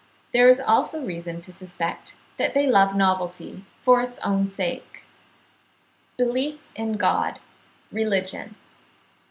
There is also reason to suspect that they love novelty, for its own sake. BELIEF IN GOD—RELIGION.